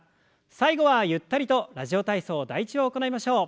最後はゆったりと「ラジオ体操第１」を行いましょう。